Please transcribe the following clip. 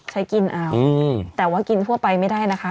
กินเอาแต่ว่ากินทั่วไปไม่ได้นะคะ